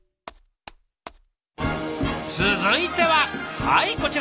続いてははいこちら。